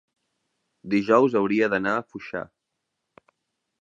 dijous hauria d'anar a Foixà.